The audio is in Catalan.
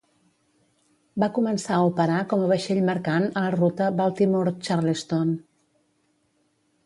Va començar a operar com a vaixell mercant a la ruta Baltimore - Charleston.